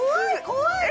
怖い！